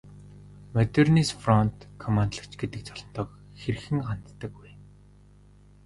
Модернист фронт командлагч гэдэг цолондоо хэрхэн ханддаг вэ?